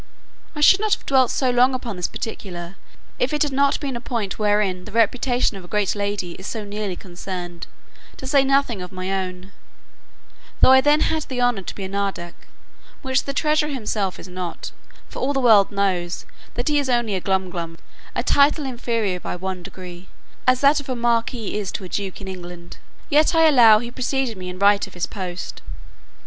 I should not have dwelt so long upon this particular, if it had not been a point wherein the reputation of a great lady is so nearly concerned, to say nothing of my own; though I then had the honour to be a nardac, which the treasurer himself is not; for all the world knows, that he is only a glumglum, a title inferior by one degree, as that of a marquis is to a duke in England; yet I allow he preceded me in right of his post.